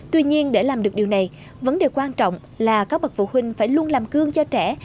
tuy nhiên để làm được điều này vấn đề quan trọng là các bậc phụ huynh phải luôn làm cương cho trẻ